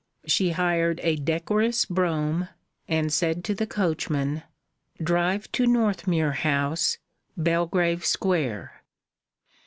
She hired a decorous brougham and said to the coachman: "Drive to Northmuir House, Belgrave Square."